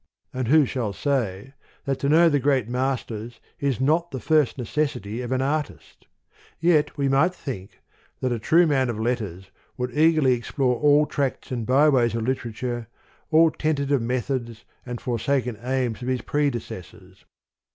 And who shall say, that to know the great Masters is not the first necessity of an artist ? Yet we might think, that a true man of letters would eagerly explore all tracts and byways of literature, all ten tative methods and forsaken aims of his predecessors.